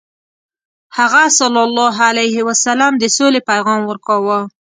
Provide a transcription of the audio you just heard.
هغه ﷺ د سولې پیغام ورکاوه.